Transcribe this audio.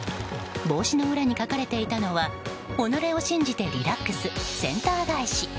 帽子の裏に書かれていたのは己を信じてリラックスセンター返し。